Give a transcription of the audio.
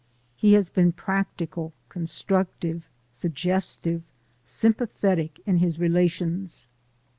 He has been practical, constructive, suggestive, sympa thetic in his relations.